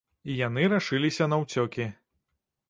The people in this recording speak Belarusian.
І яны рашыліся на ўцёкі.